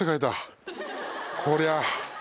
こりゃあ。